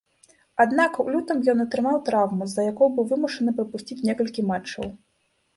Аднак, у лютым ён атрымаў траўму, з-за якой быў вымушаны прапусціць некалькі матчаў.